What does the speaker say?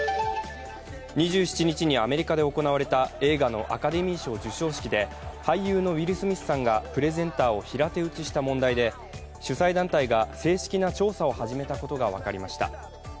２７日にアメリカで行われた映画のアカデミー賞授賞式で俳優のウィル・スミスさんがプレゼンターを平手打ちした問題で主催団体が正式な調査を始めたことが分かりました。